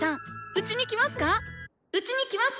⁉うちに来ますか